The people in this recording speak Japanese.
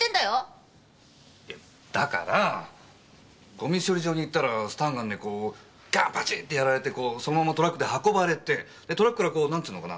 ゴミ処理場に行ったらスタンガンでバチッとやられてそのままトラックで運ばれてトラックからなんて言うかな。